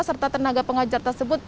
serta tenaga pengajar tersebut